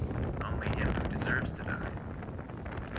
' Only him who deserves to die.'